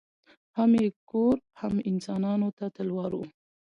هم یې کور هم انسانانو ته تلوار وو